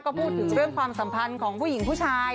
ก็พูดถึงเรื่องความสัมพันธ์ของผู้หญิงผู้ชาย